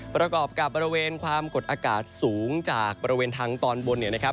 ประกอบกับบริเวณความกดอากาศสูงจากบริเวณทางตอนบนเนี่ยนะครับ